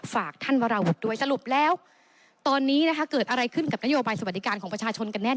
ฝากท่านวราวุฒิด้วยสรุปแล้วตอนนี้นะคะเกิดอะไรขึ้นกับนโยบายสวัสดิการของประชาชนกันแน่